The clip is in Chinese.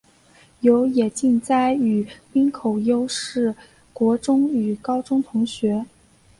有野晋哉与滨口优是国中与高中同学。